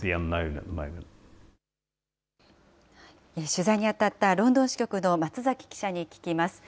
取材に当たったロンドン支局の松崎記者に聞きます。